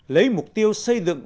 lấy mục tiêu xây dựng